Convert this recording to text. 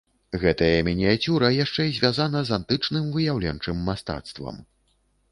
Гэтая мініяцюра яшчэ звязана з антычным выяўленчым мастацтвам.